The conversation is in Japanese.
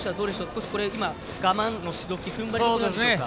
少し我慢のしどきふんばりところでしょうか。